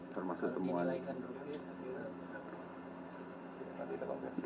nanti kita sampaikan lebih lanjut